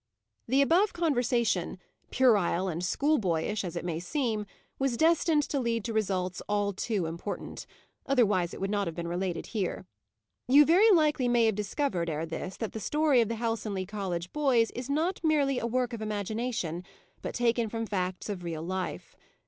The above conversation, puerile and school boyish as it may seem, was destined to lead to results all too important; otherwise it would not have been related here. You very likely may have discovered, ere this, that this story of the Helstonleigh College boys is not merely a work of imagination, but taken from facts of real life.